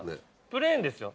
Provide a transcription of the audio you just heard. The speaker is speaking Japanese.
プレーンですよ。